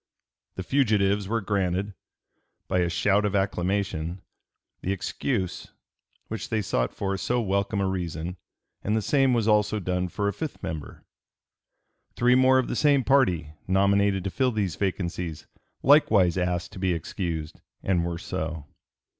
The fugitives were granted, "by a shout of acclamation," the excuse which they sought for so welcome a reason, and the same was also done for a fifth member. Three more of the same party, nominated to fill these vacancies, likewise asked to be excused, and were so.